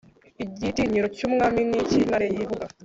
Igitinyiro cy umwami ni nk icy intare yivuga